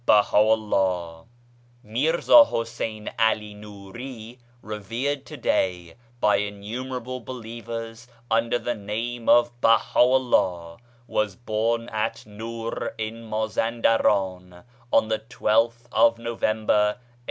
f BAHA'U'LLAH MIrza Husain ( AlI Nuri, revered to day by innumerable believers under the name of BahaVllah, was born at Nur in Mazan deran on the 12th of November 1817.